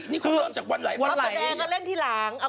นี่คุณเริ่มจากวันไหล